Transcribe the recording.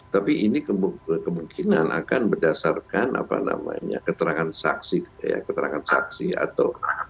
tapi ini kemungkinan akan berdasarkan apa namanya keterangan saksi ya keterangan saksi atau adalah ada bukti